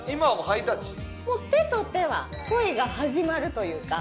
もう手と手は恋が始まるというか。